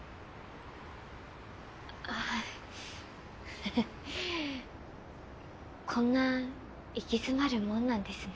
フフフこんな行き詰まるもんなんですね。